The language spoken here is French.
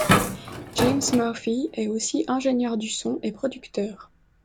James Murphy est aussi ingénieur du son et producteur.